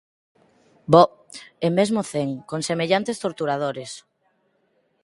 Boh! E mesmo cen, con semellantes torturadores.